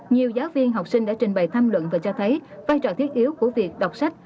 nhiều giáo viên học sinh đã trình bày tham luận và cho thấy vai trò thiết yếu của việc đọc sách